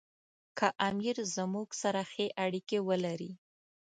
که امیر زموږ سره ښې اړیکې ولري.